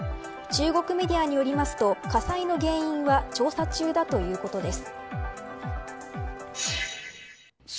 中国メディアによりますと火災の原因は調査中だということです。